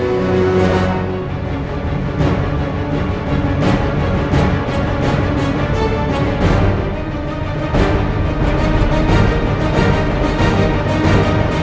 ini tambah satu ya